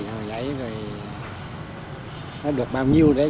rồi lấy rồi nó được bao nhiêu đấy